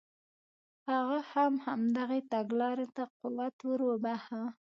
هغه هم همدغې تګلارې ته قوت ور وبخښه.